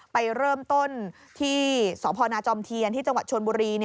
ไปเริ่มต้นที่สพนจอมเทียนที่จังหวัดชนบุรี